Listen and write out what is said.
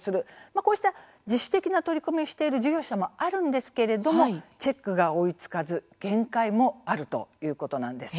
こうした自主的な取り組みをしている事業者もあるんですけれどもチェックが追いつかず限界もあるということなんです。